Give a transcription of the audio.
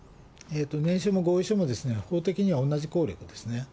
念書も合意書も、法的には同じ効力ですね。